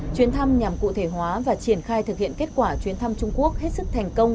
chuyến thăm nhằm cụ thể hóa và triển khai thực hiện kết quả chuyến thăm trung quốc hết sức thành công